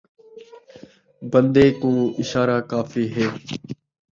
بندے کوں اشارہ کافی ہے